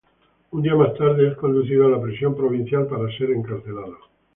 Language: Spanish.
Un día más tarde es conducido a la prisión provincial para ser encarcelado.